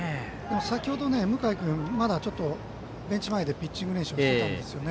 先程、向井君まだベンチ前でピッチング練習していたんですね。